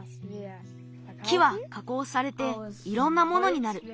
木はかこうされていろんなものになる。